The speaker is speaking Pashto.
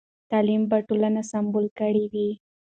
تعلیم به ټولنه سمبال کړې وي.